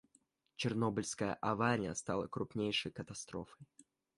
Чернобыльская авария стала крупнейшей катастрофой.